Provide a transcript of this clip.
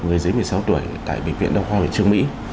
người dưới một mươi sáu tuổi tại bệnh viện đồng khoa trương mỹ